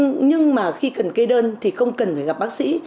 nhưng mà khi cần kê đơn thì không cần phải gặp bác sĩ